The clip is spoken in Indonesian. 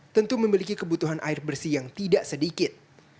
tentu memiliki kebutuhan air bersih yang tidak sedikit